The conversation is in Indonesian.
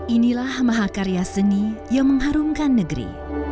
inilah mahakarya seni yang mengharumkan negeri